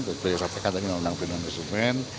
seperti yang saya katakan undang undang konsumen